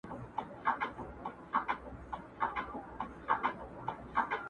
o زړه راته زخم کړه، زارۍ کومه.